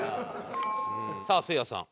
さあせいやさん。